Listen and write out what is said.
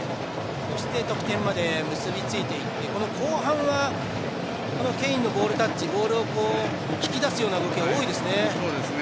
そして得点まで結びついていって後半はケインのボールタッチケインの動きを引き出す場面が多いですね。